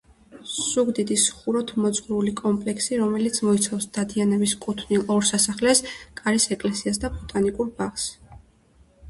ზუგდიდის ხუროთმოძღვრული კომპლექსი, რომელიც მოიცავს დადიანების კუთვნილ ორ სასახლეს, კარის ეკლესიას და ბოტანიკურ ბაღს.